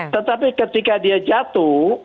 tetapi ketika dia jatuh